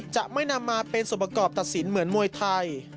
จะไม่นำมาเป็นส่วนประกอบตัดสินเหมือนมวยไทย